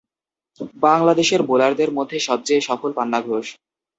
বাংলাদেশের বোলারদের মধ্যে সবচেয়ে সফল পান্না ঘোষ।